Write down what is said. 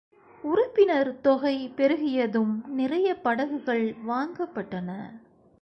உறுப்பினர் தொகை பெருகியதும், நிறையப் படகுகள் வாங்கப்பட்டன.